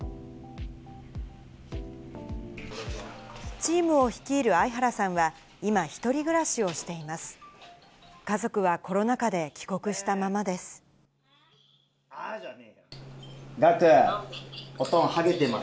チームを率いる相原さんは、今、１人暮らしをしています。